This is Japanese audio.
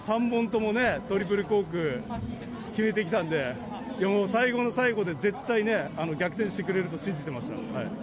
３本ともね、トリプルコーク決めてきたんで、最後の最後で絶対ね、逆転してくれると信じてました。